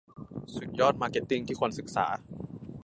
สุดยอดมาร์เก็ตติ้งที่ควรศึกษา